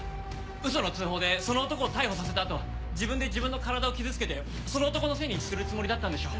ウソの通報でその男を逮捕させた後自分で自分の体を傷つけてその男のせいにするつもりだったんでしょう。